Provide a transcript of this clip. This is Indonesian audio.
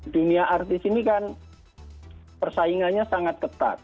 dunia artis ini kan persaingannya sangat ketat